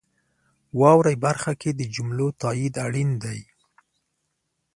واورئ برخه کې د جملو تایید اړین دی.